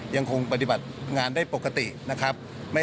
ยังคงปฏิบัติงานได้ปกตินะครับ